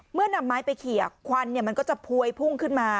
นำไม้ไปเขี่ยกควันมันก็จะพวยพุ่งขึ้นมา